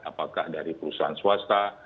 apakah dari perusahaan swasta